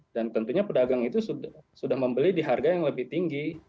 dan tentunya pedagang itu sudah membeli di harga yang lebih tinggi